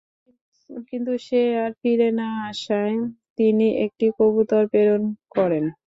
কিন্তু সে আর ফিরে না আসায় তিনি একটি কবুতর প্রেরণ করেন।